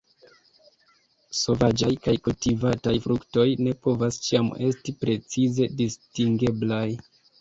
Sovaĝaj kaj kultivataj fruktoj ne povas ĉiam esti precize distingeblaj.